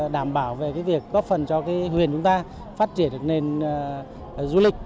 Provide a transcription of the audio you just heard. đảm bảo về việc góp phần cho huyền chúng ta phát triển được nền du lịch